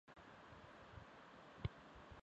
配属于五里桥车辆段和五路停车场。